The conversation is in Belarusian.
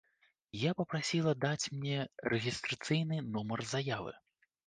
Я папрасіла даць мне рэгістрацыйны нумар заявы.